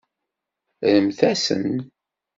Rremt-asen.